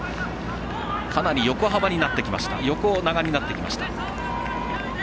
かなり横長になってきました。